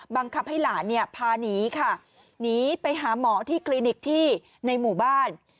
บังคับให้หลานเนี่ยพาหนีค่ะหนีไปหาหมอที่คลินิกที่ในหมู่บ้าน